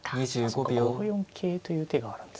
そうか５四桂という手があるんですね。